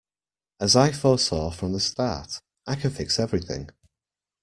As I foresaw from the start, I can fix everything.